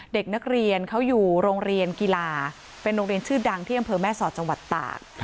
เด็กนักเรียนเขาอยู่โรงเรียนกีฬาเป็นโรงเรียนชื่อดังที่อำเภอแม่สอดจังหวัดตาก